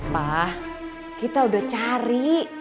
pa kita sudah mencari